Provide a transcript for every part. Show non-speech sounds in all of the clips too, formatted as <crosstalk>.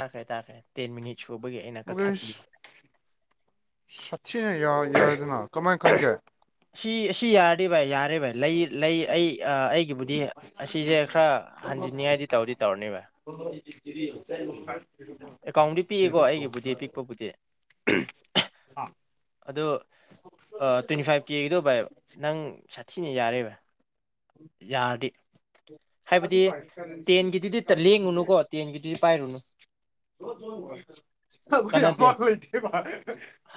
ꯇꯈ‍꯭ꯔ‌ꯦ ꯇꯥꯈ꯭ꯔ‌ꯦ ten minute ꯁꯨꯕꯒꯤ ꯑꯩꯅ ꯀꯛꯊꯠꯄꯤꯌꯨ ꯑꯁ ꯁꯥꯊꯤꯅ ꯌꯥꯏ ꯌꯥꯏꯗꯅ ꯀꯃꯥꯏꯅ ꯈꯟꯒꯦ ꯁꯤ ꯑꯁꯤ ꯌꯥꯔꯗꯤ ꯚꯥꯏ ꯌꯥꯔꯦ ꯚꯥꯏ ꯂꯩ ꯂꯩ ꯑꯩ ꯑꯩꯒꯤꯕꯨꯗꯤ ꯑꯁꯤꯁꯦ ꯈꯔ ꯍꯟꯖꯤꯟꯅꯤꯡꯉꯥꯏꯗꯤ ꯇꯧꯗꯤ ꯇꯧꯔꯅꯦꯕ <unintelligible> ꯑꯦꯀꯥꯎꯟꯗꯤ ꯄꯤꯛꯏꯀꯣ ꯑꯩꯒꯤꯕꯨꯗꯤ ꯄꯤꯛꯄꯕꯨꯗꯤ ꯑ ꯑꯗꯣ ꯇ꯭ꯋꯦꯟꯇꯤ ꯐꯥꯏꯚ ꯀꯦꯒꯤꯗꯨ ꯕꯥꯏ ꯅꯪ ꯁꯥꯊꯤꯅ ꯌꯥꯔꯦꯕ ꯌꯥꯔꯗꯤ ꯍꯥꯏꯕꯗꯤ ꯇꯦꯟꯒꯤꯗꯨꯗꯤ ꯂꯦꯡꯉꯨꯅꯨꯀꯣ ꯇ‌ꯦꯟꯒꯤꯗꯨꯗꯤ ꯄꯥꯏꯔꯨꯅ ꯀꯥꯟꯅꯗꯦ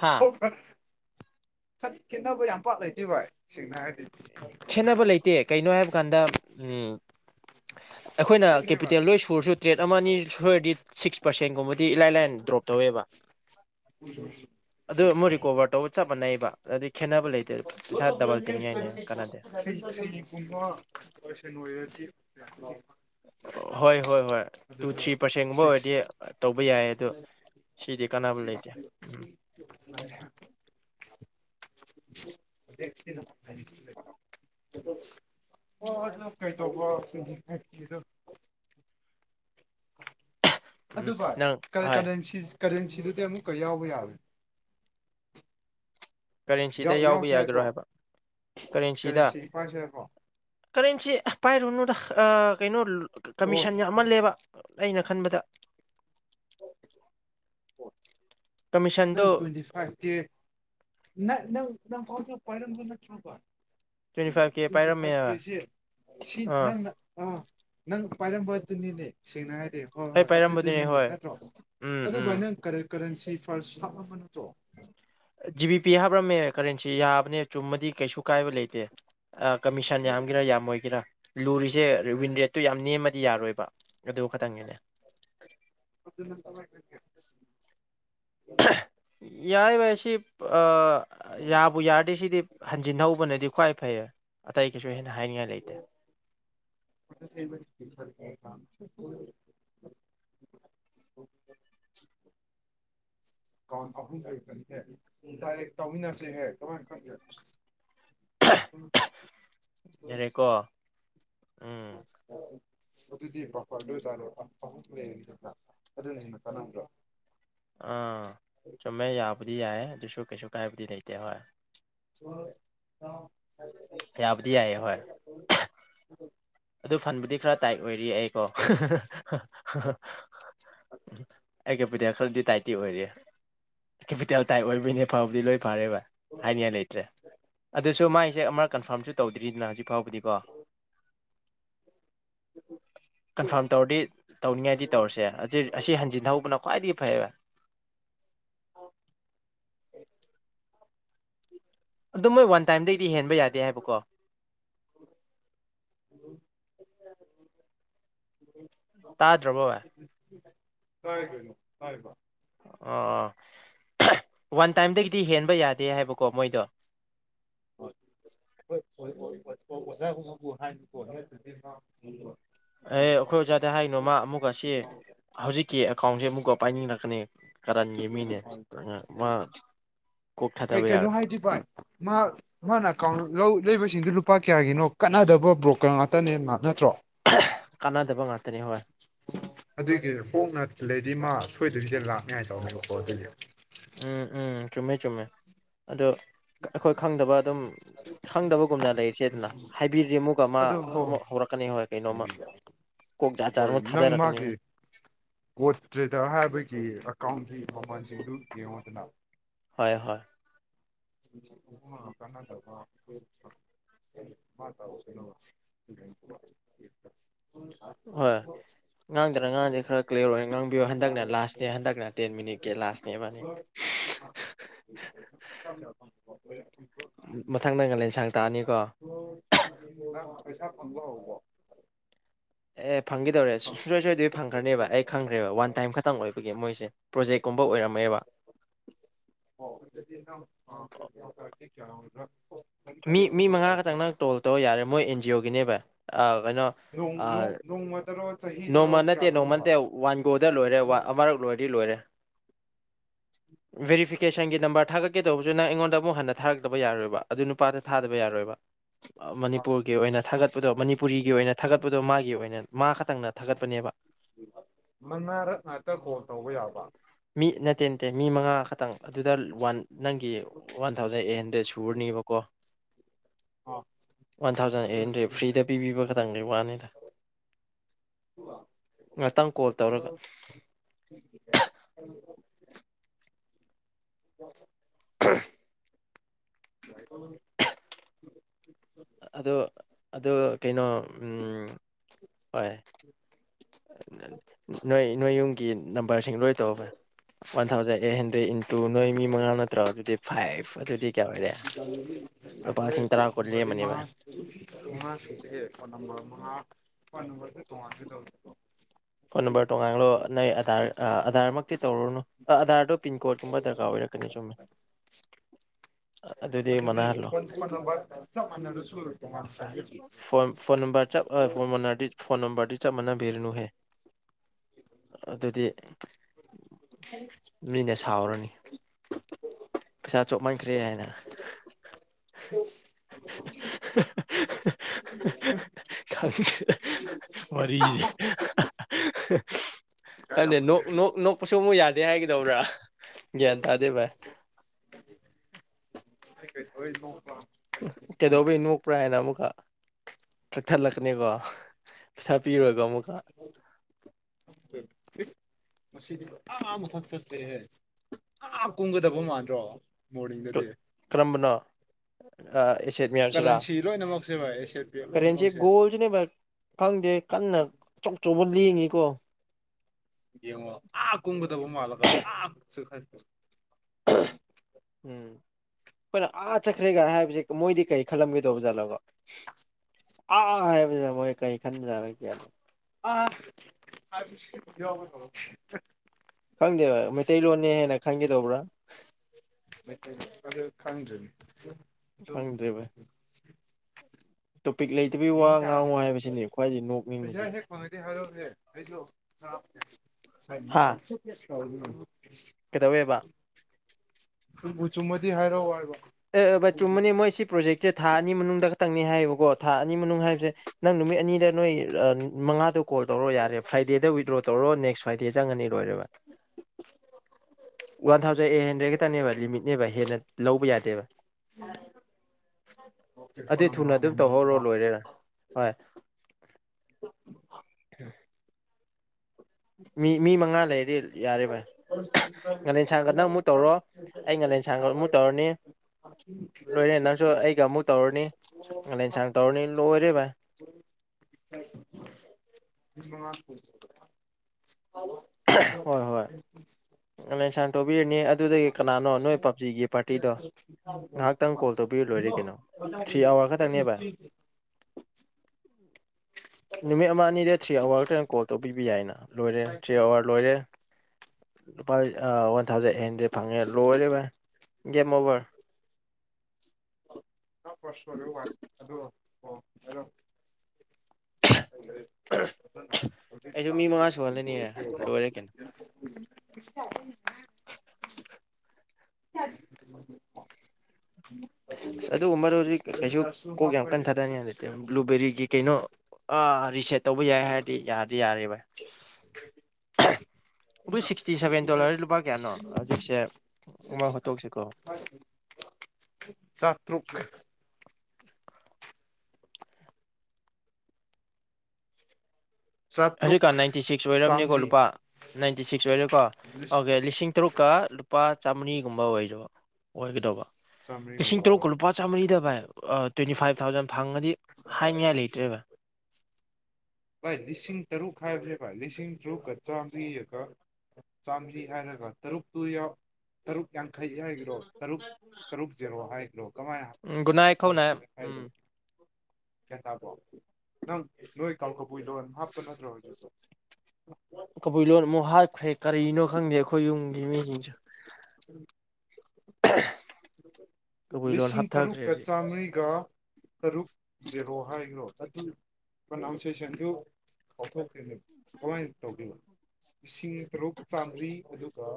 ꯍꯥ ꯈꯦꯠꯅꯕ ꯌꯥꯝ ꯄꯥꯛ ꯂꯩꯇꯦ ꯚꯥꯏ ꯁꯦꯡꯅ ꯍꯥꯏꯔꯗꯤ ꯈꯦꯠꯅꯕ ꯂꯩꯇꯦ ꯀꯩꯅꯣ ꯍꯥꯏꯕ ꯀꯥꯟꯗ ꯎꯝ ꯑꯩꯈꯣꯏꯅ ꯀꯦꯄꯤꯇꯦꯜ ꯂꯣꯏ ꯁꯨꯔꯁꯨ ꯇ‌ꯦꯠ ꯑꯃ ꯑꯅꯤ ꯁꯨꯔꯗꯤ ꯁꯤꯛꯁ ꯄꯥꯔꯁꯦꯟꯒꯨꯝꯕꯗꯤ ꯏꯂꯥꯏ ꯂꯥꯏꯅ ꯗ꯭ꯔꯣꯞ ꯇꯧꯋꯦꯕ <unintelligible> ꯑꯗꯨ ꯑꯃꯨꯛ ꯔꯤꯀꯣꯕꯔ ꯇꯧꯕ ꯆꯠ ꯃꯥꯅꯌ‌ꯦꯕ ꯑꯗꯨꯗꯤ ꯈꯦꯠꯅꯕ ꯂꯩꯇꯦ ꯄꯩꯁꯥ ꯗꯕꯜ ꯇꯤꯡꯉꯅꯦ <unintelligible> ꯍꯣꯏ ꯍꯣꯏ ꯍꯣꯏ ꯇꯨ ꯊ꯭ꯔꯤ ꯄꯥꯔꯁꯦꯟꯒꯨꯝꯕ ꯑꯣꯏꯔꯗꯤ ꯇꯧꯕ ꯌꯥꯏ ꯑꯗꯣ ꯁꯤꯗꯤ ꯀꯥꯟꯅꯕ ꯂꯩꯇꯦ ꯎꯝ <unintelligible> <unintelligible> ꯑꯣ ꯑꯗꯨ ꯀꯩꯇꯧꯕ <unintelligible> ꯎꯝ ꯑꯗꯨ ꯚꯥꯏ ꯅꯪ ꯀꯩ ꯍꯣꯏ ꯀꯔꯦꯟꯁꯤ ꯀꯔꯦꯟꯁꯤꯗꯨꯗꯤ ꯑꯃꯨꯛꯀ ꯌꯥꯎꯕ ꯌꯥꯕ ꯀꯔꯦꯟꯁꯤꯗ ꯌꯥꯎꯕ ꯌꯥꯒꯔꯣ ꯍꯥꯏꯕ ꯀꯔꯦꯟꯁꯤꯗ ꯀꯔꯦꯟꯁꯤ ꯄꯥꯏꯔꯨꯅꯨꯗ ꯀꯩꯅꯣ ꯀꯃꯤꯁꯟ ꯌꯥꯝꯃꯜꯂꯦꯕ ꯑꯩꯅ ꯈꯟꯕꯗ ꯀꯃꯤꯁꯟꯗꯣ ꯅꯪ ꯇ꯭ꯋꯦꯟꯇꯤ ꯐꯥꯏꯚ ꯀꯤ ꯅ ꯅꯪ ꯅꯪ ꯀ‌ꯣꯜ ꯈꯛ ꯄꯥꯏꯔꯝꯕ ꯅꯠꯇ꯭ꯔ‌ꯣꯕ ꯇ꯭ꯋꯦꯟꯇꯤ ꯐꯥꯏꯚ ꯀꯦ ꯇ꯭ꯋꯥꯏꯇꯤ ꯄꯥꯏꯔꯝꯃꯦ ꯐꯥꯏꯕꯀꯤꯁꯤ ꯑꯁꯤ ꯑꯥ ꯅꯪꯅ ꯑꯥ ꯅꯪ ꯄꯥꯏꯔꯝꯕꯗꯨꯅꯤꯅ‌ꯦ ꯁ‌ꯦꯡꯅ ꯍꯥꯏ ꯗ ꯍꯣꯏ ꯑꯩ ꯍꯣꯏ ꯄꯥꯏꯔꯝꯕꯗꯨꯅꯦ ꯑꯗꯨꯗꯨꯅꯤꯅꯦ ꯍꯣꯏ ꯅꯠꯇ꯭ꯔꯣ ꯎꯝ ꯎꯝ ꯑꯗꯨꯕꯨꯚꯥꯏ ꯅꯪ ꯀꯔꯦꯟꯁꯤ ꯐꯥꯔꯁ ꯍꯥꯞꯂꯝꯕ ꯅꯠꯇ꯭ꯔꯣ ꯖꯤꯕꯤ ꯄꯤ ꯍꯥꯞꯔꯝꯃꯦ ꯀꯔꯦꯟꯁꯤ ꯌꯥꯕꯅꯦ ꯆꯨꯝꯃꯗꯤ ꯀꯩꯁꯨ ꯀꯥꯏꯕ ꯂꯩꯇꯦ ꯇ‌ꯦ ꯑ ꯀꯃꯤꯁꯟ ꯌꯥꯝꯒꯦꯔꯥ ꯌꯥꯝꯃ‌ꯣꯏꯒꯦꯔꯥ ꯂꯨꯔꯤꯁꯦ ꯋꯤꯟ ꯔꯦꯠꯇꯨ ꯌꯥꯝ ꯅꯦꯝꯃꯗꯤ ꯌꯥꯔꯣꯏꯕ ꯑꯗꯨ ꯈꯇꯪꯒꯤꯅꯦ ꯑꯗꯨꯅ‌ꯪ ꯀꯃꯥꯏ <unintelligible> ꯌꯥꯏ ꯚꯥꯏ ꯁꯤ‌ ꯑ ꯌꯥꯕꯨ ꯌꯥꯔꯗꯤ ꯁꯤꯗꯤ ꯍꯟꯖꯤꯟꯍꯧꯕꯅꯗꯤ ꯈ꯭ꯋꯥꯏ ꯐꯩꯌ‌ꯦ ꯑꯇꯩ ꯀꯩꯁꯨ ꯍꯦꯟꯅ ꯍꯥꯏꯅꯤꯡꯉꯥꯏ ꯂꯩꯇꯦ <unintelligible> ꯗꯥꯏꯔꯦꯛ ꯇꯧꯃꯤꯟꯅꯁꯦꯍꯦ ꯀꯃꯥꯏꯅ ꯈꯪꯒꯦ ꯌꯥꯔ‌ꯦꯀ‌ꯣ ꯑꯗꯨꯗꯤ <unintelligible> ꯑꯗꯨꯅ ꯍꯦꯟꯅ ꯀꯥꯟꯅꯕ꯭ꯔ‌ꯣ ꯑꯥ ꯆꯨꯝꯃꯦ ꯌꯥꯕꯨꯗꯤ ꯌꯥꯏꯌꯦ ꯑꯗꯨꯁꯨ ꯀꯩꯁꯨ ꯀꯥꯏꯕꯗꯤ ꯂꯩꯇꯦ ꯍꯣꯏ ꯌꯥꯕꯨꯗꯤ ꯌꯥꯏꯌꯦ ꯍꯣꯏ <unintelligible> ꯑꯗꯨ ꯐꯟꯕꯨꯗꯤ ꯈꯔ ꯇꯥꯏꯠ ꯑꯣꯏꯔꯤ ꯑꯩꯀꯣ ꯑꯩꯒ <unintelligible> ꯈꯜꯗ ꯇꯥꯏꯠ ꯇꯤ ꯑꯣꯏꯔꯦ ꯀꯦꯄꯤꯇꯦꯜ ꯇꯥꯏꯠ ꯑꯣꯏꯕꯅꯦ ꯐꯕꯗꯤ ꯂꯣꯏ ꯐꯔꯦꯕ ꯍꯥꯏꯅꯤꯡꯉꯥꯏ ꯂꯩꯇ꯭ꯔꯦ ꯑꯗꯨꯁꯨ ꯃꯥꯏꯁꯦ ꯑꯃꯛ ꯀꯟꯐꯥꯔꯝꯁꯨ ꯇꯧꯗ꯭ꯔꯤꯗꯅ ꯍꯧꯖꯤꯛ ꯐꯥꯎꯕꯗꯤꯀꯣ ꯀꯟꯐꯥꯔꯝ ꯇꯧꯔꯗꯤ ꯇꯧꯅꯤꯡꯉꯥꯏꯗꯤ ꯇꯧꯔꯁꯦ ꯑꯁꯤ ꯑꯁꯤ ꯍꯟꯖꯤꯟ ꯍꯧꯕꯅ ꯈ꯭ꯋꯥꯏꯗꯒꯤ ꯐꯩꯌꯦꯕ ꯑꯣ ꯑꯗꯨ ꯃꯣꯏ ꯋꯥꯟ ꯇꯥꯏꯝꯗꯩꯗꯤ ꯍꯦꯟꯕ ꯌꯥꯗꯦ ꯍꯥꯏꯕꯀꯣ ꯇꯥꯗ꯭ꯔꯕꯣ ꯚꯥꯏ <inaudible> ꯇꯔꯦ <unintelligible> ꯑꯣ ꯋꯥꯟ ꯇꯥꯏꯝꯗꯒꯤꯗꯤ ꯍꯦꯟꯕ ꯌꯥꯗꯦ ꯍꯥꯏꯕꯀꯣ ꯃꯣꯏꯗꯣ <inaudible> ꯍꯣꯏ ꯍꯣꯏ <unintelligible> ꯑꯣꯖꯥꯒꯨꯝꯕꯕꯨ ꯍꯥꯏꯕꯀꯣ <unintelligible> ꯑꯦ ꯑꯩꯈꯣꯏ ꯑꯣꯖꯥꯗ ꯍꯥꯏꯅꯣꯃ ꯑꯃꯨꯛ ꯑꯁꯤ ꯍꯧꯖꯤꯛꯀꯤ ꯑꯦꯀꯥꯎꯟꯁꯦ ꯑꯃꯨꯛꯀ ꯄꯥꯏꯅꯤꯡꯔꯛꯀꯅꯤ ꯀꯔꯒꯤ ꯃꯤꯅꯦ ꯃꯥ ꯀꯣꯛ ꯀꯩ ꯊꯥꯗꯕ ꯀꯩꯅꯣ ꯌꯥꯔꯣꯏ ꯍꯥꯏꯗꯤ ꯚꯥꯏ ꯃꯥ ꯃꯥꯅ ꯑꯦꯀꯥꯎꯟ ꯂꯧ ꯂꯩꯕꯁꯤꯡꯗꯨ ꯂꯨꯄꯥ ꯀꯌꯥꯒꯤꯅꯣ ꯀꯥꯟꯅꯗꯕ ꯕ꯭ꯔꯣ ꯀꯥ ꯉꯥꯛꯇꯅꯦ ꯅꯠꯇ꯭ꯔꯣ ꯀꯥꯟꯅꯗꯕ ꯉꯥꯛꯇꯅꯤ ꯍꯣꯏ ꯑꯗꯨꯒꯤ ꯍꯣꯡꯅ ꯂꯩꯗꯤ ꯃꯥ ꯁꯣꯏꯗꯕꯤꯗꯦ ꯂꯥꯛꯅꯤꯉꯥꯏ ꯇꯧꯅꯦꯕꯀꯣ ꯑꯗꯨꯏꯗꯤ ꯎꯝ ꯎꯝ ꯆꯨꯝꯃꯦ ꯆꯨꯝꯃꯦ ꯑꯗꯣ ꯑꯩꯈꯣꯏ ꯈꯪꯗꯕ ꯑꯗꯨꯝ ꯈꯪꯗꯕꯒꯨꯝꯅ ꯂꯩꯔꯤꯁꯦꯗꯅ ꯍꯥꯏꯕꯤꯔꯤ ꯑꯃꯨꯒ ꯃꯥ ꯑꯃꯨꯛ ꯍꯧꯔꯛꯀꯅꯤ ꯍꯣꯏ ꯀꯩꯅꯣꯝꯃ ꯀꯣꯛ ꯖꯠ <unintelligible> ꯊꯥꯗꯔꯛꯅꯤ ꯒꯣꯠ ꯇ꯭ꯔꯦꯗꯔ ꯍꯥꯏꯕꯒꯤ ꯑꯦꯀꯥꯎꯟꯒꯤ ꯃꯃꯜꯁꯤꯡꯗꯨ ꯌꯦꯡꯉꯨꯗꯅ ꯍꯣꯏ ꯍꯣꯏ <unintelligible> ꯍꯣꯏ <unintelligible> ꯉꯥꯡꯗꯅ ꯉꯥꯡꯗꯤ ꯈꯔ ꯀ꯭ꯂꯤꯌꯥꯔ ꯑꯣꯏꯅ ꯉꯥꯡꯕꯤꯌꯣ ꯍꯟꯗꯛꯅ ꯂꯥꯁꯅꯦ ꯍꯟꯗꯛꯅ ꯇꯦꯟ ꯃꯤꯅꯤꯠꯀꯤ ꯂꯥꯁꯅꯦꯕꯥ <unintelligible> ꯃꯊꯪꯗꯒꯥ ꯂꯩꯁꯥꯡ ꯇꯥꯅꯤꯀꯣ <unintelligible> ꯄꯩꯁꯥ ꯐꯪꯕ ꯍꯧꯕꯣ ꯑꯦ ꯐꯪꯒꯤꯗꯧꯔꯦ ꯁꯨꯡꯁꯣꯏ ꯁꯣꯏꯗꯕꯤ ꯐꯪꯈ꯭ꯔꯅꯤꯕ ꯑꯩ ꯈꯪꯈ꯭ꯔꯦꯕ ꯋꯥꯟ ꯇꯥꯏꯝ ꯈꯛꯇꯪ ꯑꯣꯏꯕꯒꯤ ꯃꯣꯏꯁꯦ ꯄ꯭ꯔꯣꯖꯦꯛ ꯀꯨꯝꯕ ꯑꯣꯏꯔꯝꯃꯦꯕ <unintelligible> ꯃꯤ ꯃꯤ ꯃꯉꯥ ꯈꯛꯇꯅ ꯇꯧꯔ ꯌꯥꯔꯦ ꯃꯣꯏ ꯑꯦꯟ ꯖꯤ ꯑꯣꯒꯤꯅꯦꯕ ꯀꯩꯅꯣ ꯅꯣꯡ <unintelligible> ꯅꯣꯡꯃꯗꯔꯣ ꯅꯣꯡꯃ ꯅꯠꯇꯦ ꯅꯣꯡꯃ ꯅꯠꯇꯦ ꯋꯥꯟ ꯒꯣ ꯗ ꯂꯣꯏꯔꯦ ꯑꯃꯔꯛ ꯂꯣꯏꯔꯦꯗꯤ ꯂꯣꯏꯔꯦ ꯕꯦꯔꯤꯐꯤꯀꯦꯁꯟꯒꯤ ꯅꯝꯕꯔ ꯊꯥꯒꯛꯀꯦ ꯇꯧꯕꯁꯨ ꯅꯪ ꯑꯩꯉꯣꯟꯗ ꯑꯃꯨꯛ ꯍꯟꯅ ꯊꯥꯔꯛꯇꯕ ꯌꯥꯔꯣꯏꯕ ꯑꯗꯨ ꯅꯨꯄꯥꯗ ꯊꯥꯗꯕ ꯌꯥꯔꯣꯏꯕ ꯃꯅꯤꯄꯨꯔꯒꯤ ꯑꯣꯏꯅ ꯊꯥꯒꯠꯄꯗꯣ ꯃꯅꯤꯄꯨꯔꯤꯒꯤ ꯑꯣꯏꯅ ꯊꯥꯒꯠꯄꯗꯣ ꯃꯥꯒꯤ ꯑꯣꯏꯅ ꯃꯥ ꯈꯛꯇꯪꯅ ꯊꯥꯒꯠꯄꯅꯦꯕ ꯃꯟꯒꯥꯔꯛ ꯉꯥꯛꯇ ꯀꯣꯜ ꯇꯧꯕ ꯌꯥꯕ ꯃꯤ ꯅꯠꯇꯦ ꯅꯠꯇꯦ ꯃꯤ ꯃꯉꯥ ꯈꯛꯇꯪ ꯑꯗꯨꯗ ꯋꯥꯟ ꯅꯪꯒꯤ ꯋꯥꯟ ꯊꯥꯎꯖꯟ ꯑꯩꯠ ꯍꯟꯗ꯭ꯔꯦꯗ ꯁꯨꯔꯅꯤꯕꯀꯣ ꯋꯥꯟ ꯊꯥꯎꯖꯟ ꯑꯩꯠ ꯍꯟꯗ꯭ꯔꯦꯠ ꯐ꯭ꯔꯤꯗ ꯄꯤꯕꯤꯕ ꯈꯇꯪꯗꯒꯤ ꯋꯥꯅꯤꯗ <unintelligible> ꯉꯍꯥꯛꯇꯪ ꯀꯣꯜ ꯇꯧꯔꯒ <unintelligible> <unintelligible> <unintelligible> <unintelligible> ꯑꯗꯣ ꯑꯗꯣ ꯀꯩꯅꯣ ꯎꯝ ꯍꯣꯏ ꯅꯣꯏ ꯅꯣꯏ ꯌꯨꯝꯒꯤ ꯅꯝꯕꯔꯁꯤꯡ ꯂꯣꯏ ꯇꯧ one thousand eight hundred into ꯅꯣꯏ ꯃꯤ ꯃꯉꯥ ꯅꯠꯇ꯭ꯔ ꯑꯗꯨꯗꯤ ꯐꯥꯏꯚ ꯑꯗꯨꯗꯤ ꯀꯌꯥ ꯑꯣꯏꯔꯦ ꯂꯨꯄꯥ ꯃꯥꯁ ꯂꯤꯁꯤꯡ ꯇꯔꯥ ꯀꯨꯟ ꯂꯦꯝꯃꯅꯤ ꯚꯥꯏ ꯇꯣꯉꯥꯟ ꯐꯣꯟ ꯅꯝꯕꯔ ꯐꯣꯟ ꯅꯝꯕꯔ ꯇꯣꯉꯥꯟꯗꯧꯔꯦꯀꯣ ꯐꯣꯟ ꯅꯝꯕꯔ ꯇꯣꯉꯥꯡꯂꯣ ꯅꯪ ꯑꯙꯥꯔ ꯑꯙꯥꯔꯃꯛꯇꯤ ꯇꯧꯔꯨꯔꯅꯨ ꯑꯙꯥꯔꯗꯨ ꯄꯤꯟ ꯀꯣꯗꯀꯨꯝꯕ ꯗꯔꯀꯥꯔ ꯑꯣꯏꯔꯛꯀꯅꯤ ꯆꯨꯝꯃꯦ ꯑꯗꯨꯗꯤ ꯐꯣꯟ ꯅꯝꯕꯔ ꯆꯄ ꯃꯅꯗꯔꯥꯁꯨ ꯇꯣꯉꯟ ꯇꯥꯏꯌꯦ ꯐꯣꯟ ꯐꯣꯟ ꯅꯝꯕꯔ ꯆꯄ ꯍ ꯐꯣꯟ ꯃꯅꯥꯔꯗꯤ ꯐꯣꯟ ꯅꯝꯕꯔꯗꯤ ꯆꯞ ꯃꯥꯟꯅꯕꯤꯔꯅꯨꯍꯦ ꯑꯗꯨꯗꯤ ꯃꯤꯅ ꯁꯥꯎꯔꯅꯤ ꯄꯩꯁꯥ ꯆꯣꯞ ꯃꯥꯟꯈ꯭ꯔꯦ ꯍꯥꯏꯅ ꯆꯤꯁ ꯋꯔꯤꯁꯦ ꯈꯪꯗꯦ ꯅꯣꯛꯄꯁꯨ ꯑꯃꯨꯛ ꯌꯥꯗꯦ ꯍꯥꯏꯒꯗꯧꯕꯔꯥ ꯒ꯭ꯌꯥꯟ ꯇꯥꯗꯦ ꯚꯥꯏ ꯣꯏ ꯎꯝ ꯀꯩꯗꯧꯕꯩ ꯅꯣꯛꯄ꯭ꯔꯥ ꯍꯥꯏꯅ ꯑꯃꯨꯛꯀ ꯀꯛꯊꯠꯂꯛꯀꯅꯤꯀꯣ ꯄꯩꯁꯥ ꯄꯤꯔꯑꯣꯏꯀꯣ ꯑꯃꯨꯛꯀ ꯃꯁꯤꯗꯤ ꯑꯥ ꯃꯊꯛ ꯆꯠꯇꯦꯍꯦ ꯑꯥ ꯀꯨꯝꯒꯗꯕ ꯃꯥꯟꯗ꯭ꯔꯣ ꯃꯣꯔꯅꯤꯡꯗꯗꯤ ꯀꯔꯝꯕꯅꯣ ꯑꯦꯆꯦꯠ ꯀꯔꯟꯁꯤ ꯂꯣꯏꯅꯃꯛꯁꯦ ꯚꯥꯏ ꯑꯦꯁꯦ ꯀꯔꯦꯟꯁꯦ ꯒꯣꯜꯁꯤꯅꯦꯕ ꯈꯪꯗꯦ ꯀꯟꯅ ꯑꯆꯧ ꯑꯆꯧꯕ ꯂꯦꯡꯉꯤꯀꯣ ꯌꯦꯡꯉꯣ ꯑꯥ ꯀꯨꯝꯒꯗꯕ ꯃꯥꯜꯂꯒ ꯑꯥꯁꯨ ꯈꯔ ꯎꯝ ꯑꯩꯈꯣꯏꯅ ꯑꯥ ꯆꯠꯈ꯭ꯔꯦꯒ ꯍꯥꯏꯕꯁꯦ ꯃꯣꯏꯗꯤ ꯀꯔꯤ ꯈꯜꯂꯝꯒꯦꯗꯧꯕꯖꯥꯠꯂꯕ ꯑꯥ ꯑꯥ ꯍꯥꯏꯕꯅꯤꯅ ꯃꯣꯏ ꯀꯔꯤ ꯈꯟꯕ ꯌꯥꯔꯒꯦꯅꯣ ꯑꯥ ꯌꯕ ꯈꯪꯗꯦꯕ ꯃꯩꯇꯩꯂꯣꯟꯅꯦ ꯍꯦꯟꯅ ꯈꯪꯒꯦꯗꯧꯕ꯭ꯔꯥ ꯃꯦꯁꯨ ꯈꯪꯗ꯭ꯔꯅꯤ ꯈꯪꯗ꯭ꯦ ꯚ ꯇꯣꯄꯤꯛ ꯂꯩꯇꯕꯤꯒꯤ ꯋꯥ ꯉꯥꯡꯉꯨ ꯍꯥꯏꯕꯁꯤꯅꯤ ꯈ꯭ꯋꯥꯏꯗꯒꯤ ꯅꯣꯛꯅꯤꯡꯕꯁꯤꯅꯤ ꯐꯪꯉꯗꯤ ꯍꯥꯏꯔꯣꯁꯦ ꯍꯥꯏꯗꯣ ꯍꯥ ꯀꯩꯗꯧꯋꯦꯕ ꯨ ꯆꯨꯝꯃꯗꯤ ꯍꯥꯏꯔꯛꯑꯣ ꯍꯥꯏꯏꯕꯣ ꯑꯦꯕ ꯆꯨꯝꯃꯅꯤ ꯃꯣꯏ ꯁꯤ ꯄ꯭ꯔꯣꯖꯦꯛ ꯁꯦ ꯊꯥ ꯑꯅꯤ ꯃꯅꯨꯡꯗ ꯈꯛꯇꯪꯅꯤ ꯍꯥꯏꯌꯦꯕꯀꯣ ꯊꯥ ꯑꯅꯤ ꯃꯅꯨꯡ ꯍꯥꯏꯕꯁꯦ ꯅꯪ ꯅꯨꯃꯤꯠ ꯑꯅꯤꯗ ꯅꯣꯏ ꯃꯉꯥꯗ ꯀꯣꯜ ꯇꯧꯔꯣ ꯌꯥꯔꯦ꯭ꯔꯗ ꯋꯤꯗ꯭ꯔꯣ ꯇꯧꯔꯣ ꯅꯦꯛꯁ ꯐ꯭ꯔꯥꯏꯗꯪꯉꯅꯤꯔꯣꯏꯔꯕ ꯋꯥꯟ ꯊꯥꯎꯖꯟ ꯑꯩꯠ ꯍꯟꯗ꯭ꯔꯦꯗ ꯈꯛꯇꯅꯦꯕ ꯂꯤꯃꯤꯠꯅꯦꯕ ꯍꯦꯟꯅ ꯂꯧꯕ ꯌꯥꯗꯦꯕ ꯑꯗꯨ ꯊꯨꯅ ꯑꯗꯨꯝ ꯇꯧꯍꯧꯔꯣ ꯂꯣꯏꯔꯦꯔ ꯍꯣꯏ ꯎꯝ ꯃꯤ ꯃꯤ ꯃꯉꯥ ꯂꯩꯔꯦ ꯌꯥꯔꯦ ꯚꯥꯏ ꯉꯥꯂꯦꯟ ꯁꯥꯡꯒꯠꯅꯕꯅ ꯑꯃꯨꯛ ꯇꯧꯔꯣ ꯑꯩ ꯉꯥꯂꯦꯟ ꯁꯥꯡꯒꯠ ꯑꯃꯨꯛ ꯇꯧꯔꯅꯤ ꯑ ꯂꯣꯏꯔꯦ ꯅꯪꯁꯨ ꯑꯩꯒ ꯑꯃꯨꯛ ꯇꯧꯔꯅꯤꯂꯦꯟꯁꯥꯡ ꯇꯧꯔꯅꯤ ꯂꯣꯏꯔꯦ ꯚꯥꯏ <inaudible> <inaudible> ꯍꯣꯏ ꯍꯣꯏꯦꯟꯁꯟ ꯇꯧꯕꯤꯔꯅꯤ ꯑꯗꯨꯗꯒꯤ ꯀꯅꯥꯅꯣ ꯅꯣꯏ ꯄꯞꯖꯤꯒꯤ ꯄꯥꯔꯇꯤꯗꯣ ꯉꯥꯏꯍꯥꯛꯇꯪ ꯀꯣꯜ ꯇꯧꯕꯤꯔꯨ ꯂꯣꯏꯔꯦ ꯀꯩꯅꯣ ꯊ꯭ꯔꯤ ꯑꯋꯥꯔ ꯈꯛꯇꯪꯅꯦꯕ ꯎ ꯅꯨꯃꯤꯠ ꯑꯃ ꯑꯅꯤꯗ ꯊ꯭ꯔꯤ ꯑꯋꯥꯔ ꯈꯛꯇꯪ ꯀꯣꯜ ꯇꯧꯕꯤꯕ ꯌꯥꯏꯅ ꯂꯣꯏꯔꯦ ꯊ꯭ꯔꯤ ꯑꯋꯥꯔ ꯂꯣꯏꯔꯦ ꯂꯨꯄꯥ ꯋꯥꯟ ꯊꯥꯎꯖꯟ ꯑꯩꯠ ꯍꯟꯗ꯭ꯔꯦꯗ ꯐꯪꯉꯦ ꯂꯣꯏꯔꯦꯕ ꯒꯦꯝ ꯑꯣꯚꯔ ꯄꯁꯅꯦ ꯋꯥ ꯑꯗ ꯑꯣ ꯑꯗꯣ ꯑꯩꯁꯨ ꯃꯤ ꯃꯉꯥ ꯁꯨꯍꯜꯂꯅꯤ ꯂꯣꯏꯔꯦ ꯀꯩꯅꯣ <inaudible> <inaudible> <inaudible> <unintelligible> ꯑꯁ ꯑꯗꯨꯒꯨꯝꯕꯗꯨꯖꯤꯛ ꯀꯩꯁꯨ ꯀꯣꯛ ꯌꯥꯝ ꯀꯟ ꯊꯥꯗꯅꯤꯉꯥꯏ ꯂꯩꯇꯦ ꯕ꯭ꯂꯨꯕꯦꯔꯤꯒꯤ ꯀꯩꯅꯣ ꯑꯥ ꯔꯤꯁꯦꯠ ꯇꯧꯕ ꯌꯥꯏ ꯍꯥꯏꯔꯗꯤ ꯌꯥꯔꯗꯤ ꯌꯥꯔꯦ ꯚꯥꯏ <inaudible> <unintelligible> ꯁꯤꯛꯁꯇꯤ ꯁꯚꯦꯟ ꯗꯣꯂꯔ ꯂꯨꯄꯥ ꯀꯌꯥꯅꯣ ꯍꯧꯖꯤꯛꯁꯦ ꯑꯃ ꯍꯣꯠꯇꯣꯛꯁꯤꯀꯣ ꯆꯥꯇ꯭ꯔꯨꯛ ꯍꯧꯖꯤꯛꯀꯥꯟ ꯅꯥꯏꯟꯇꯤ ꯁꯤꯛꯁ ꯑꯣꯏꯔꯕꯅꯤꯀꯣ ꯂꯨꯄꯥ ꯅꯥꯏꯟꯇꯤ ꯁꯤꯛꯁ ꯑꯣꯏꯔꯦꯀꯣ ꯑꯣꯀꯦ ꯂꯤꯁꯤꯡ ꯇꯔꯨꯛ ꯀ ꯂꯨꯄꯥ ꯆꯥꯃꯔꯤꯒꯨꯝꯕ ꯑꯣꯏꯁꯨ ꯑꯣꯏꯒꯗꯧꯕ ꯂꯤꯁꯤꯡ ꯇꯔꯨꯛꯀ ꯂꯨꯄꯥ ꯆꯥꯝꯃꯔꯤꯗ ꯚꯥꯏ ꯇ꯭ꯋꯦꯟꯇꯤ ꯐꯥꯏꯚ ꯊꯥꯎꯖꯟ ꯐꯪꯉꯗꯤ ꯍꯥꯏꯅꯤꯡꯉꯥꯏ ꯂꯩꯇ꯭ꯔꯦꯕ ꯚꯥꯏ ꯂꯤꯁꯤꯡ ꯇꯔꯨꯛ ꯍꯥꯏꯕꯁꯦ ꯚꯥꯏ ꯂꯤꯁꯤꯡ ꯇꯔꯨꯛꯀ ꯆꯥꯝꯃꯔꯤꯒ ꯆꯥꯝꯃꯔꯤ ꯍꯥꯏꯔꯒ ꯇꯔꯨꯛꯇꯨ ꯌꯥꯎ ꯇꯔꯨꯛ ꯌꯥꯡꯈꯩ ꯍꯥꯏꯈ꯭ꯔꯣ ꯇꯔꯨꯛ ꯇꯔꯨꯛ ꯖꯦꯔꯣ ꯍꯥꯏꯈ꯭ꯔꯣ ꯀꯃꯥꯏꯅ ꯒꯨꯅꯥꯏ ꯍꯥ ꯈꯧꯅꯥꯏ ꯎꯝ ꯍꯥꯏꯗꯣ ꯒꯌꯥꯟ ꯇꯥꯕꯔꯣ ꯅꯪ ꯅꯣꯏ <unintelligible> ꯍꯥꯞꯄ ꯅꯠꯇ꯭ꯔꯣ ꯍꯧꯖꯤꯛ ꯑꯗꯨꯝ ꯀꯕꯨꯏ ꯂꯣꯟ ꯑꯃꯨꯛ ꯍꯥꯠꯈ꯭ꯔꯦ ꯀꯔꯤꯅꯣ ꯈꯪꯗꯦ ꯑꯩꯈꯣꯏ ꯌꯨꯝꯒꯤ ꯃꯤꯁꯤꯡꯁꯦ <unintelligible> ꯀꯕꯨꯏ ꯂꯣꯟ ꯂꯤꯁꯤꯡ ꯍꯥꯞꯊꯈ꯭ꯔꯦ ꯇꯔꯨꯛꯀ ꯍꯧꯖꯤꯛ ꯆꯥꯝꯃꯔꯤꯒ ꯇꯔꯨꯛ ꯖꯦꯔꯣ ꯍꯥꯏꯈ꯭ꯔꯣ ꯑꯗꯨ ꯄ꯭ꯔꯥꯅꯥꯎ꯭ꯟꯁꯦꯁꯟꯗꯨ ꯀꯥꯎꯊꯣꯛꯈ꯭ꯔꯦꯅꯦ ꯀꯃꯥꯏ꯭ꯟ ꯇꯧꯗꯣꯏꯅꯣ ꯂꯤꯁꯤꯡ ꯇꯔꯨꯛ ꯆꯥꯝꯕ꯭ꯔꯤ ꯑꯗꯨ ꯒꯥ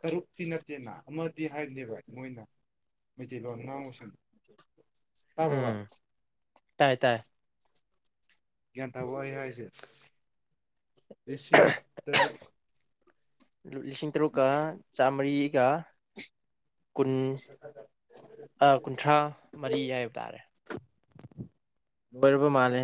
ꯇꯔꯨꯛꯇꯤ ꯅꯠꯇꯦꯅ ꯑꯃꯗꯤ ꯍꯥꯏꯕꯅꯦꯕ ꯃꯣꯏꯅ ꯃꯩꯇꯩ ꯂꯣꯟ ꯉꯥꯡꯉꯣ ꯁꯨꯝ ꯎꯝ ꯇꯥꯏ ꯇꯥꯏ ꯒ꯭ꯌꯥꯟ ꯇꯥꯕꯣ ꯑꯩ ꯍꯥꯏꯁꯦ ꯂꯤꯁꯤꯡ ꯇꯔꯨꯛ ꯗꯨ ꯂꯤꯁꯤꯡ ꯇꯔꯨꯛꯀ ꯆꯥꯝꯃꯔꯤꯒ ꯀꯨꯟ ꯑꯥ ꯀꯨꯟꯊ꯭ꯔꯥ ꯃꯔꯤ ꯍꯥꯏꯕ ꯇꯥꯔꯦ ꯕꯔꯕꯥ ꯃꯥꯜꯂꯦ